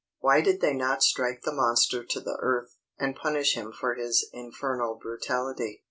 Why did they not strike the monster to the earth, and punish him for his infernal brutality?